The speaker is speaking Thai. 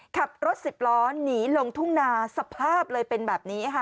ขับรถสิบล้อหนีลงทุ่งนาสภาพเลยเป็นแบบนี้ค่ะ